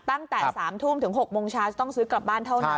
ตั้งแต่๓ทุ่มถึง๖โมงเช้าจะต้องซื้อกลับบ้านเท่านั้น